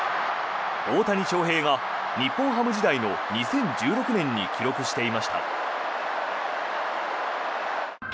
大谷翔平が日本ハム時代の２０１６年に記録していました。